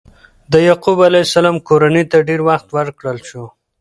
د یعقوب علیه السلام کورنۍ ته ډېر وخت ورکړل شو.